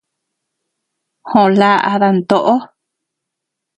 Joo laʼa dantoʼo.